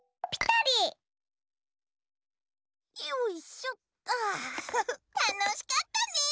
たのしかったね。